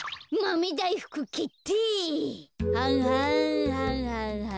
はんはんはんはんはん。